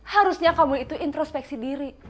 harusnya kamu itu introspeksi diri